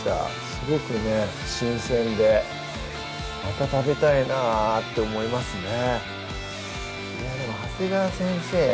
すごくね新鮮でまた食べたいなって思いますねでも長谷川先生